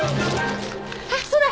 あっそうだ！